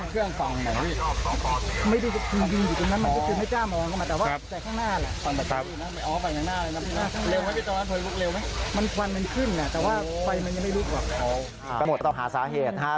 ก็หมดต้องหาสาเหตุนะฮะ